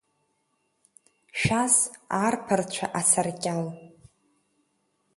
Шәас, арԥарцәа, асаркьал.